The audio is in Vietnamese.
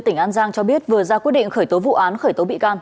tỉnh an giang cho biết vừa ra quyết định khởi tố vụ án khởi tố bị can